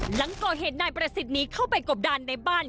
หลังก่อเหตุนายประสิทธิ์หนีเข้าไปกบดานในบ้าน